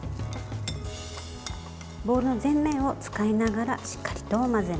ボウルの全面を使いながらしっかりと混ぜます。